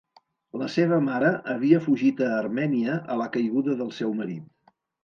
La seva mare havia fugit a Armènia a la caiguda del seu marit.